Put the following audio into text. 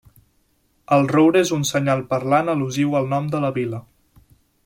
El roure és un senyal parlant al·lusiu al nom de la vila.